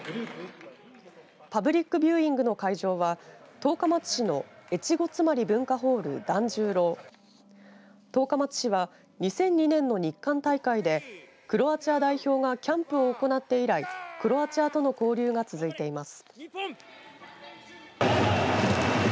パブリック・ビューイングの会場は十日町市の越後妻有文化ホール・段十ろう十日町市は２００２年の日韓大会でクロアチア代表がキャンプを行って以来クロアチアとの交流が続いています。